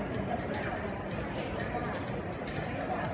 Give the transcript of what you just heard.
มันเป็นสิ่งที่จะให้ทุกคนรู้สึกว่า